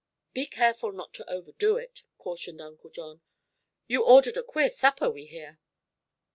"Be careful not to overdo it," cautioned Uncle John. "You ordered a queer supper, we hear."